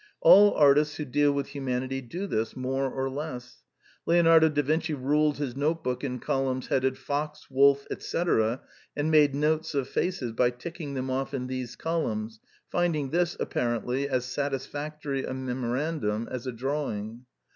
All artists who deal with humanity do this, more or less. Leonardo da Vinci ruled his notebook in columns headed fox, wolf, etc., and made notes of faces by ticking them off in these columns, finding this, apparently, as satisfactory a memorandum as a drawing.